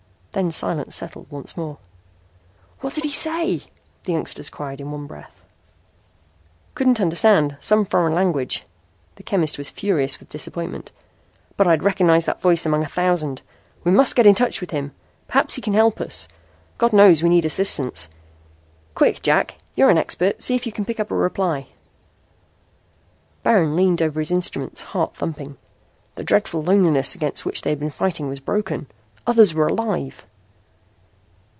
Then silence settled once more. "What did he say," the youngsters cried in one breath. "Couldn't understand. Some foreign language." The chemist was furious with disappointment. "But I'd recognize that voice among a thousand. We must get in touch with him. Perhaps he can help us. God knows we need assistance. Quick, Jack. You're an expert. See if you can pick up a reply." Baron leaned over his instruments, heart thumping. The dreadful loneliness against which he had been fighting was broken. Others were alive!